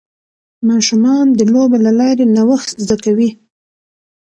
ماشومان د لوبو له لارې نوښت زده کوي.